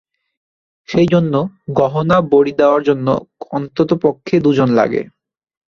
সেই জন্য গহনা বড়ি দেওয়ার জন্য অন্ততপক্ষে দু'জন লাগে।